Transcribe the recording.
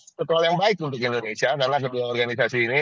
apa kekualian baik untuk indonesia karena kedua organisasi ini